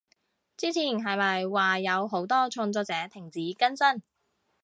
之前係咪話有好多創作者停止更新？